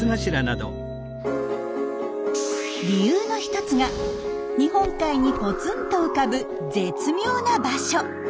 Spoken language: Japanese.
理由の１つが日本海にポツンと浮かぶ絶妙な場所。